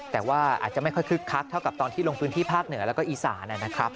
แต่ว่าอาจจะไม่ค่อยคึกคักเท่ากับตอนที่ลงพื้นที่ภาคเหนือแล้วก็อีสานนะครับ